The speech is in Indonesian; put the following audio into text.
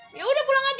ya udah pulang aja